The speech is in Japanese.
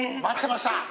待ってました！